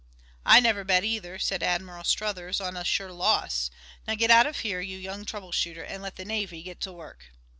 "I never bet, either," said Admiral Struthers, "on a sure loss. Now get out of here, you young trouble shooter, and let the Navy get to work."